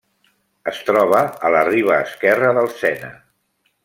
Es troba a la riba esquerra del Sena.